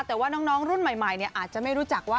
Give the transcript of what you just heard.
แต่ว่าน้องรุ่นใหม่อาจจะไม่รู้จักว่า